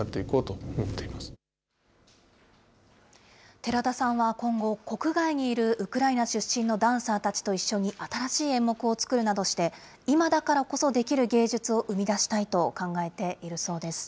寺田さんは今後、国外にいるウクライナ出身のダンサーたちと一緒に新しい演目を作るなどして、今だからこそできる芸術を生み出したいと考えているそうです。